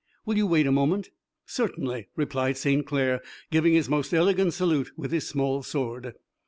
Will you wait a moment?" "Certainly," replied St. Clair, giving his most elegant salute with his small sword.